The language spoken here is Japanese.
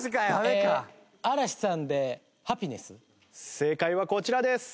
正解はこちらです。